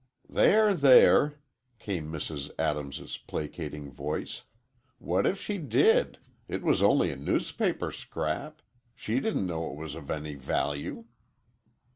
"There, there," came Mrs. Adams' placating voice, "what if she did? It was only a newspaper scrap. She didn't know it was of any value."